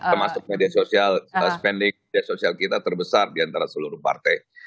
termasuk media sosial spending media sosial kita terbesar di antara seluruh partai